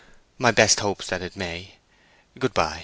"My best hopes that it may. Good by."